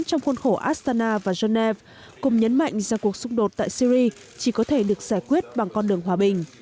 trong khuôn khổ astana và geneva cùng nhấn mạnh rằng cuộc xúc đột tại syri chỉ có thể được giải quyết bằng con đường hòa bình